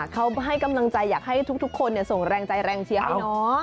เขาให้กำลังใจอยากให้ทุกคนส่งแรงใจแรงเชียร์ให้น้อง